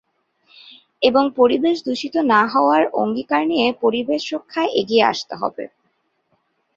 এবং পরিবেশ দূষিত না হওয়ার অঙ্গিকার নিয়ে পরিবেশ রক্ষায় এগিয়ে আসতে হবে।